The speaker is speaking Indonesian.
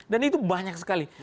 dan itu banyak sekali